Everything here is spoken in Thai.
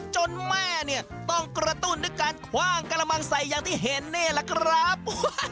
จนแม่เนี่ยต้องกระตุ้นด้วยการคว่างกระมังใส่อย่างที่เห็นนี่แหละครับ